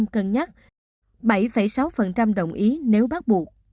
bảy sáu cân nhắc bảy sáu đồng ý nếu bắt buộc